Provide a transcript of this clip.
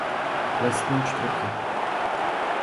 Lesní čtvrti.